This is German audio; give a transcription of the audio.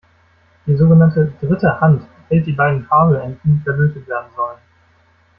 Die sogenannte Dritte Hand hält die beiden Kabelenden, die verlötet werden sollen.